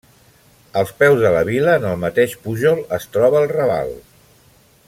Als peus de la Vila, en el mateix pujol, es troba el Raval.